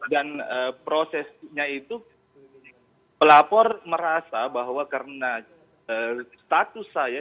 dan prosesnya itu pelapor merasa bahwa karena status saya